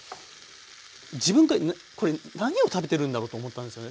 自分がこれ何を食べてるんだろうと思ったんですよね。